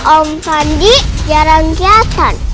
om pandi jarang keliatan